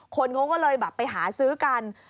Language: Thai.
คนโง่ก็เลยไปหาซื้อกัน